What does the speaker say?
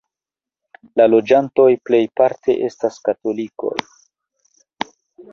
La loĝantoj plejparte estas katolikoj.